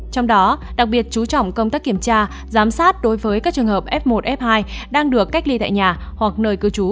trong đó đặc biệt chú trọng công tác kiểm tra giám sát đối với các trường hợp f một f hai đang được cách ly tại nhà hoặc nơi cư trú